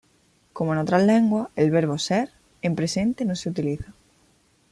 Como en otras lenguas, el verbo "ser" en presente no se utiliza.